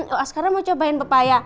oh sekarang mau cobain pepaya